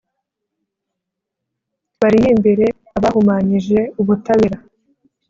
Bariyimbire abahumanyije ubutabera,